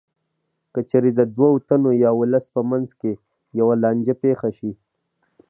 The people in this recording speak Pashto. که چېرې د دوو تنو یا ولس په منځ کې یوه لانجه پېښه شي